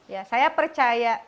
ya saya percaya